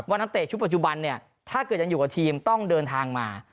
นักเตะชุดปัจจุบันเนี่ยถ้าเกิดยังอยู่กับทีมต้องเดินทางมา